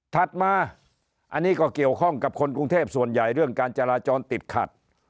ถัดมาอันนี้ก็เกี่ยวข้องกับคนกรุงเทพส่วนใหญ่เรื่องการจราจรติดขัด